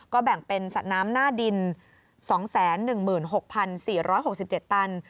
แบ่งเป็นสระน้ำหน้าดิน๒๑๖๔๖๗ตัน